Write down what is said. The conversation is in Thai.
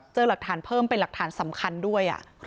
เจอหลักฐานเพิ่มเป็นหลักฐานสำคัญด้วย